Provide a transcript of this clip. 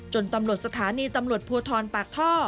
จนตำรวจสถานีตำรวจภูทอธรอนท์